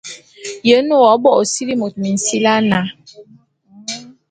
Ye nne w'abo ô sili'i môt minsili ana?